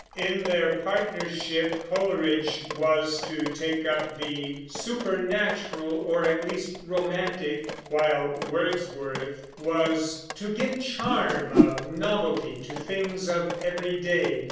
In their partnership Coleridge was to take up the "supernatural, or at least romantic"; while Wordsworth was "to give the charm of novelty to things of everyday